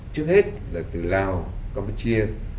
trước hết là từ lào campuchia